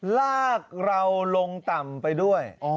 ลากเราลงต่ำไปด้วย